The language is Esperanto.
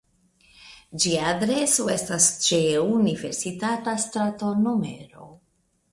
Ĝia adreso estas ĉe Universitata strato nr.